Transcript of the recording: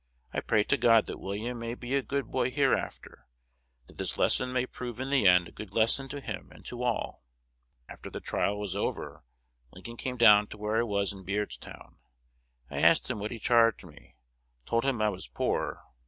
I pray to God that William may be a good boy hereafter; that this lesson may prove in the end a good lesson to him and to all.'... After the trial was over, Lincoln came down to where I was in Beardstown. I asked him what he charged me; told him I was poor.